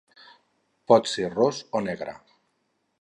Pot ser ros o negre.